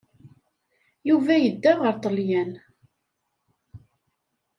Yuba yedda ɣer Ṭṭalyan.